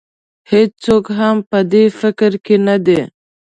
هېڅوک هم په دې فکر کې نه دی.